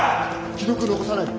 記録残さないで。